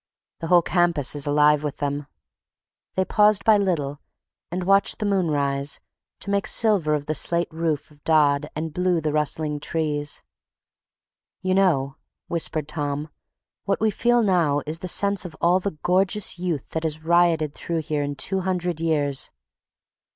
"The whole campus is alive with them." They paused by Little and watched the moon rise, to make silver of the slate roof of Dodd and blue the rustling trees. "You know," whispered Tom, "what we feel now is the sense of all the gorgeous youth that has rioted through here in two hundred years."